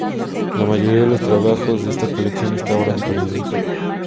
La mayoría de los trabajos de esta colección están ahora perdidos.